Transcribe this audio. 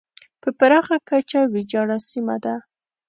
په پراخه کچه ویجاړه سیمه ده.